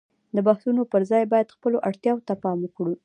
د بحثونو پر ځای باید خپلو اړتياوو ته پام وکړو.